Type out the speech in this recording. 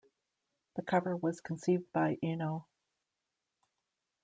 The cover was conceived by Eno.